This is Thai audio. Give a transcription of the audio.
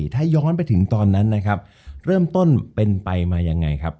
ถ้าย้อนไปถึงตอนนั้นนะครับเริ่มต้นเป็นไปมายังไงครับ